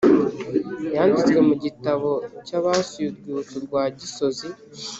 yanditswe mu gitabo cyabasuye urwibutso rwa gisozi